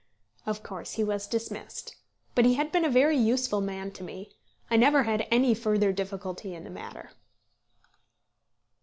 Of course he was dismissed; but he had been a very useful man to me. I never had any further difficulty in the matter.